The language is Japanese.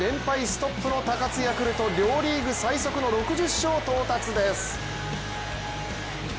ストップの高津ヤクルト、両リーグ最速の６０勝到達です。